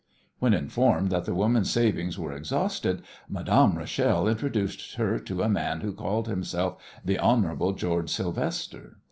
When informed that the woman's savings were exhausted Madame Rachel introduced her to a man who called himself the "Hon. George Sylvester."